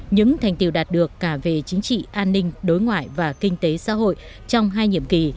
những thành tiệu đạt được cả về chính trị an ninh đối ngoại và kinh tế xã hội trong hai nhiệm kỳ